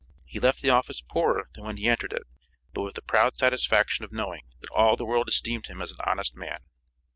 He left the office poorer than when he entered it, but with the proud satisfaction of knowing that all the world esteemed him as an honest man.